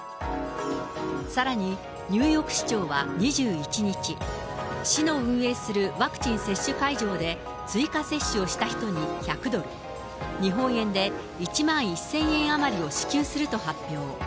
さらに、ニューヨーク市長は２１日、市の運営するワクチン接種会場で、追加接種をした人に１００ドル、日本円で１万１０００円余りを支給すると発表。